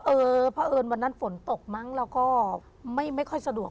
เออเพราะเอิญวันนั้นฝนตกมั้งเราก็ไม่ค่อยสะดวก